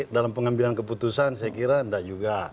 dalam pengambilan keputusan saya kira tidak juga